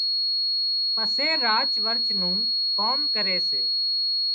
پسي راچ ورچ نُون ڪام ڪري سي